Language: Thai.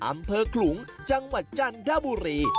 อำเภอขลุงจังหวัดจันทบุรี